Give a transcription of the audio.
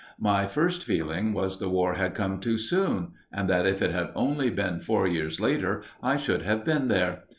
My first feeling was the War had come too soon, and that if it had only been four years later, I should have been there.